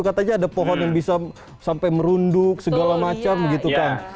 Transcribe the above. katanya ada pohon yang bisa sampai merunduk segala macam gitu kang